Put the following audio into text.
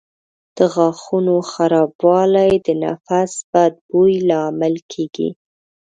د غاښونو خرابوالی د نفس بد بوی لامل کېږي.